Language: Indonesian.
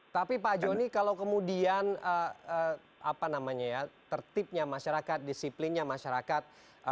tapi pak joni kalau kemudian tertibnya masyarakat disiplinnya masyarakat